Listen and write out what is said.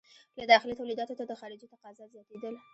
له داخلي تولیداتو ته د خارجې تقاضا زیاتېدل.